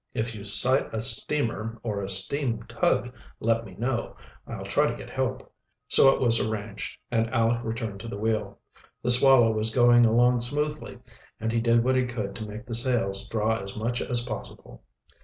If you sight a steamer or a steam tug let me know, and I'll try to get help." So it was arranged, and Aleck returned to the wheel. The Swallow was going along smoothly, and he did what he could to make the sails draw as much as possible.